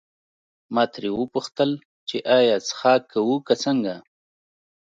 ما ترې وپوښتل چې ایا څښاک کوو که څنګه.